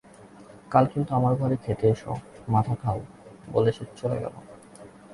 কাল কিন্তু আমার ঘরে খেতে এসো, মাথা খাও, বলে সে চলে গেল।